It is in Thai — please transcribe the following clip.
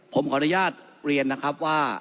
ผมขออนุญาตเรียนนะครับว่า